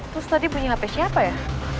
terus tadi bunyi hp siapa ya